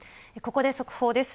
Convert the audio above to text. ここで速報です。